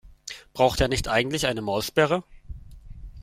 Braucht der nicht eigentlich eine Maulsperre?